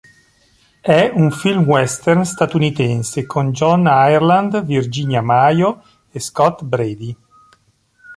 È un film western statunitense con John Ireland, Virginia Mayo e Scott Brady.